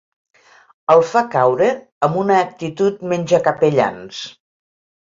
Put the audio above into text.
El fa caure amb una actitud menjacapellans.